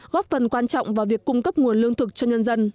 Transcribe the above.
góp phần quan trọng vào việc cung cấp nguồn lương thực cho nhân dân